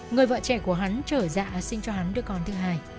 người vợ trẻ của hắn trở dạ sinh cho hắn đứa con thứ hai